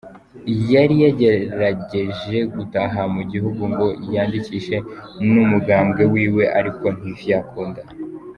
Yari yagerageje gutaha mu gihugu ngo yandikishe n'umugambwe wiwe ariko ntivyakunda.